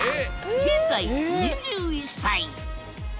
現在２１歳。